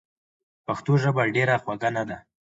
پښتو ژبه ډېره خوږه نده؟!